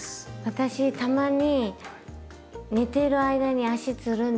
私たまに寝てる間に足つるんですよ。